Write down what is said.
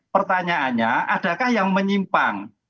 pertanyaannya adakah yang menyimpang